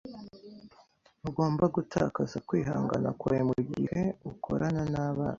Ntugomba gutakaza kwihangana kwawe mugihe ukorana nabana.